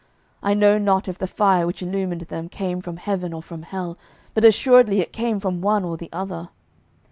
I know not if the fire which illumined them came from heaven or from hell, but assuredly it came from one or the other.